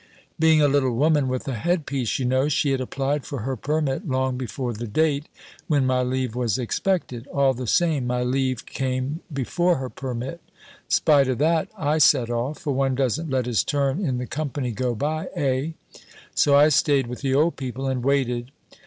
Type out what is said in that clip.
"Being a little woman with a head piece, you know, she had applied for her permit long before the date when my leave was expected. All the same, my leave came before her permit. Spite o' that I set off for one doesn't let his turn in the company go by, eh? So I stayed with the old people, and waited.